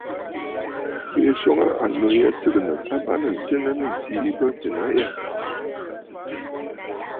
Bɨ swoŋə aa annu yî sɨgɨ̀ǹə̀ ò bâŋnə̀ senə nɨ̂ ǹsî sènə̀ aa a ya?